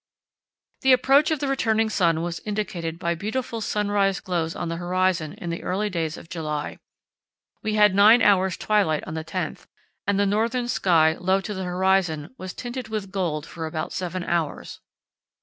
The approach of the returning sun was indicated by beautiful sunrise glows on the horizon in the early days of July. We had nine hours' twilight on the 10th, and the northern sky, low to the horizon, was tinted with gold for about seven hours.